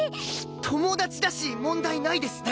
友達だし問題ないですね！